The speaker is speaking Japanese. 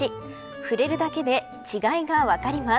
触れるだけで違いが分かります。